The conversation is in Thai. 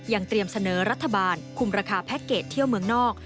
เตรียมเสนอรัฐบาลคุมราคาแพ็คเกจเที่ยวเมืองนอก